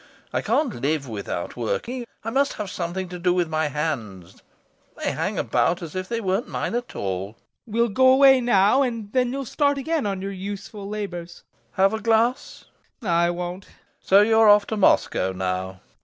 I can't live without working. I must have something to do with my hands; they hang about as if they weren't mine at all. TROFIMOV. We'll go away now and then you'll start again on your useful labours. LOPAKHIN. Have a glass. TROFIMOV. I won't. LOPAKHIN. So you're off to Moscow now?